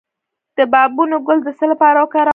د بابونه ګل د څه لپاره وکاروم؟